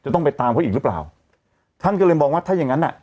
ต้องไปตามเขาอีกหรือเปล่าท่านก็เลยมองว่าถ้าอย่างงั้นอ่ะ